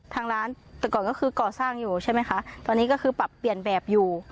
ทางร้านแต่ก่อนก็คือก่อสร้างอยู่ใช่ไหมคะตอนนี้ก็คือปรับเปลี่ยนแบบอยู่